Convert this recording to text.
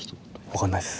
分かんないっす。